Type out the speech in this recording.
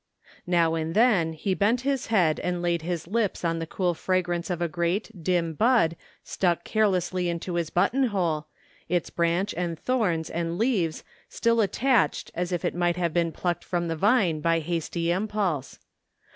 Now and then he bent his head and laid his lips on the cool fragrance of a great, dim bud stuck care lessly into his buttonhole, its branch and thorns and leaves still attached as if it might have been plucked from the vine by hasty impulse.